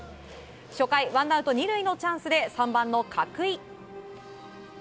初回、ワンアウト２塁のチャンスで３番の角井。